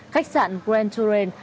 khách sạn grand touraine